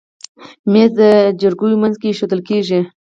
مېز د جرګو منځ کې ایښودل کېږي.